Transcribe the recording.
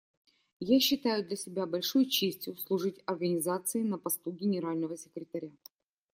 Я считаю для себя большой честью служить Организации на посту Генерального секретаря.